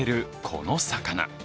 この魚。